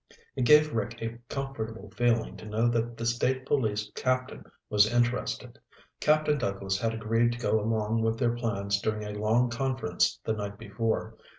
It gave Rick a comfortable feeling to know that the State Police captain was interested. Captain Douglas had agreed to go along with their plans during a long conference the night before.